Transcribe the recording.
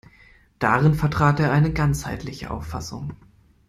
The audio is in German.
Darin vertrat er eine ganzheitliche Auffassung.